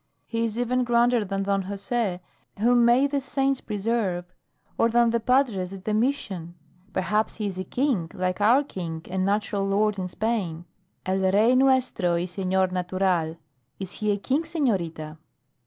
He is even grander than Don Jose, whom may the saints preserve; or than the padres at the mission. Perhaps he is a king, like our King and natural lord in spain. (El rey nuestro y senor natural.) Is he a king, senorita?"